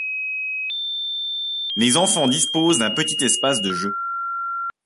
Les enfants disposent d'un petit espace de jeu.